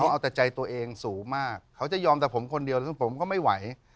เอาแต่ใจตัวเองสูงมากเขาจะยอมแต่ผมคนเดียวซึ่งผมก็ไม่ไหว